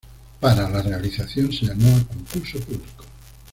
Para la realización se llamó a concurso público.